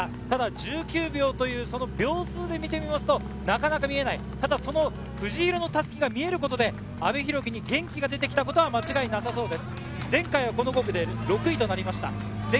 ただ１９秒という秒数でみるとなかなか見えない、藤色の襷が見えることで阿部陽樹に元気が出てきたことは間違いなさそうです。